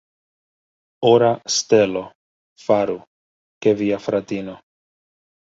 Ora stelo, faru, ke via fratino.